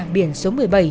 biển số một mươi bảy